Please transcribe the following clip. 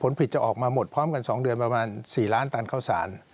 ผิดจะออกมาหมดพร้อมกัน๒เดือนประมาณ๔ล้านตันเข้าสาร